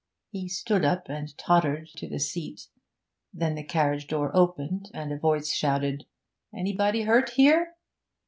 He stood up and tottered on to the seat. Then the carriage door opened, and a voice shouted 'Anybody hurt here?'